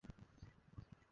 মুখের সামনে থেকে সর!